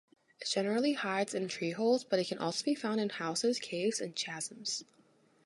It generally hides in tree holes, but it can also be found in houses, caves and chasms.